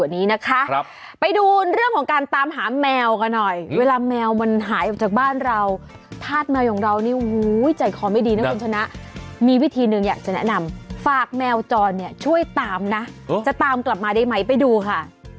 นี้นะคะไปดูเรื่องของการตามหาแมวกันหน่อยเวลาแมวมันหายออกจากบ้านเราธาตุแมวของเรานี่ใจคอไม่ดีนะคุณชนะมีวิธีหนึ่งอยากจะแนะนำฝากแมวจรเนี่ยช่วยตามนะจะตามกลับมาได้ไหมไปดูค่ะ